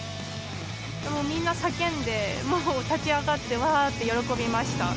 みんな叫んで、もう立ち上がって、わーって喜びました。